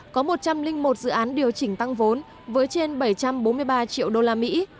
có một trăm linh một dự án điều chỉnh tăng vốn với trên bảy trăm bốn mươi ba triệu đô la mỹ